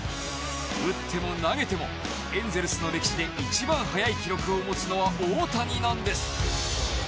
打っても投げてもエンゼルスの歴史で一番速い記録を持つのは大谷なんです。